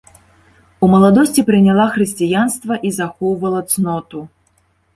У маладосці прыняла хрысціянства і захоўвала цноту.